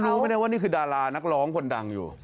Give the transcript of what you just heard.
รู้ไม่ได้ว่านี่คือดารานักร้องคนดังอยู่